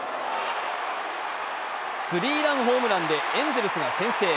スリーランホームランでエンゼルスが先制。